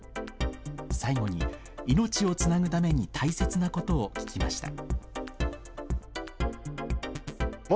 最後に、命をつなぐために大切なことを聞きました。